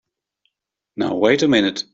Now wait a minute!